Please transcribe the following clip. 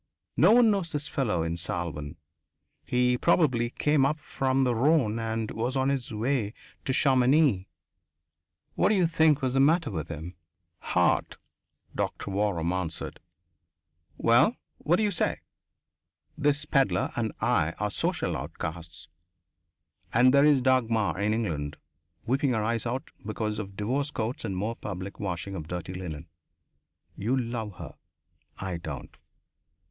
No one knows this fellow in Salvan he probably came up from the Rhone and was on his way to Chamonix. What d'you think was the matter with him?" "Heart," Doctor Waram answered. "Well, what d'you say? This pedlar and I are social outcasts. And there is Dagmar in England, weeping her eyes out because of divorce courts and more public washing of dirty linen. You love her. I don't!